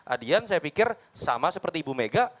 adian saya pikir sama seperti ibu mega